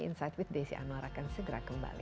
inside with desy anwar akan segera kembali